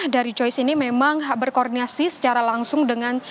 dari joyce ini memang berkoordinasi secara langsung dengan